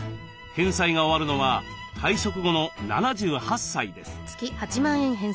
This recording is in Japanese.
返済が終わるのは退職後の７８歳です。